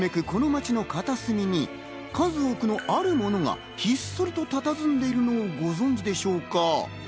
この街の片隅に数多くのあるものがひっそりとたたずんでいるのをご存じでしょうか？